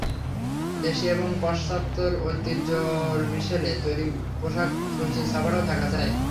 দেশি এবং পাশ্চাত্যের ঐতিহ্যের মিশেলে তৈরি পোশাকে রুচির ছাপটাও থাকা চাই।